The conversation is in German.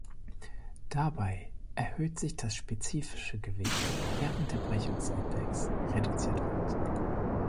Dabei erhöht sich das spezifische Gewicht, während der Brechungsindex reduziert wird.